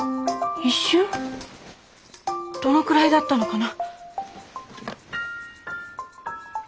どのくらいだったのかな？